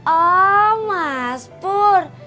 oh mas pur